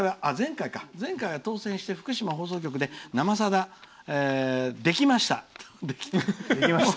前回は当選して福島放送局で「生さだ」できました。